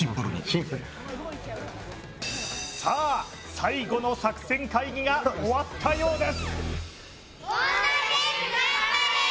最後の作戦会議が終わったようです。